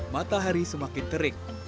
matahari semakin terik